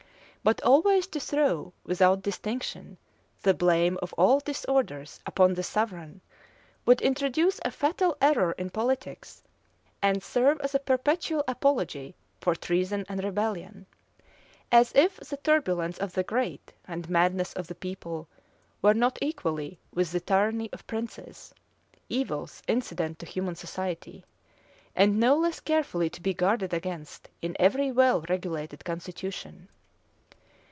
But always to throw, without distinction, the blame of all disorders upon the sovereign would introduce a fatal error in politics, and serve as a perpetual apology for treason and rebellion: as if the turbulence of the great, and madness of the people, were not, equally with the tyranny of princes, evils incident to human society, and no less carefully to be guarded against in every well regulated constitution.